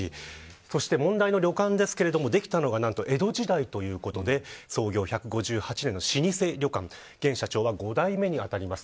そして問題の旅館ですけれどもできたのが何と江戸時代ということで創業１５８年の老舗旅館現社長は５代目に当たります。